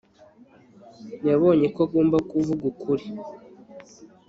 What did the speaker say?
yabonye ko agomba kuvuga ukuri